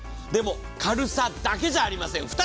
でも軽さだけじゃありません。